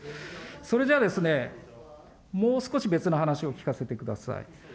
それじゃあですね、もう少し別な話を聞かせてください。